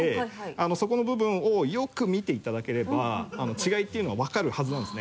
そこの部分をよく見ていただければ違いっていうのは分かるはずなんですね